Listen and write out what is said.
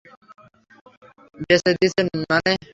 বেচে দিসেন মানে?